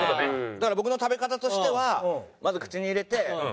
だから僕の食べ方としてはまず口に入れて。